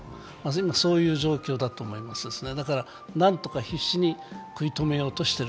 今、そういう状況だと思いますね。